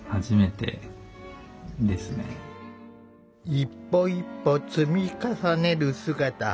一歩一歩積み重ねる姿。